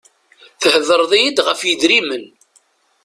Thedreḍ-iy-d ɣef yidrimen.